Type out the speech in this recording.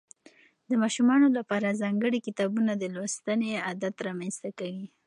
د ماشومانو لپاره ځانګړي کتابونه د لوستنې عادت رامنځته کوي.